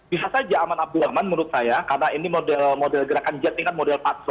bisa saja aman abdurrahman menurut saya karena ini model gerakan jet ini kan model patro